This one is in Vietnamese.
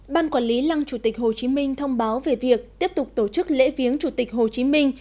ban quản lý lăng chủ tịch hồ chí minh thông báo về việc tiếp tục tổ chức lễ viếng chủ tịch hồ chí minh